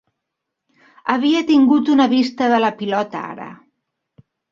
Havia tingut una vista de la pilota ara.